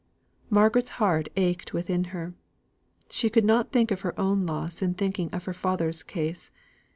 Margaret's heart ached within her. She could not think of her own loss in thinking of her father's case.